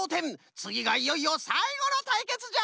つぎがいよいよさいごのたいけつじゃ！